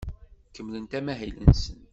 Kemmlent amahil-nsent.